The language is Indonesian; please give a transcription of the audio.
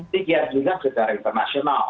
dikira juga secara internasional